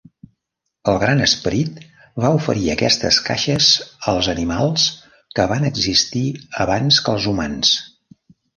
El gran esperit va oferir aquestes caixes als animals que van existir abans que els humans.